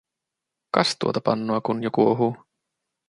Kas tuota pannua, kun jo kuohuu.